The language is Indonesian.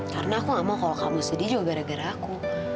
karena aku nggak mau kalau kamu sedih juga gara gara aku